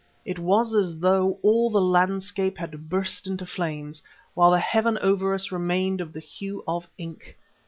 It was as though all the landscape had burst into flames, while the heaven over us remained of the hue of ink.